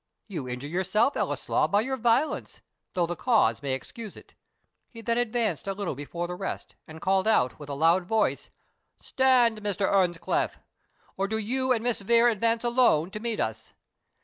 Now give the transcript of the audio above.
"You injure yourself, Ellieslaw, by your violence, though the cause may excuse it." He then advanced a little before the rest, and called out, with a loud voice, "Stand, Mr. Earnscliff; or do you and Miss Vere advance alone to meet us.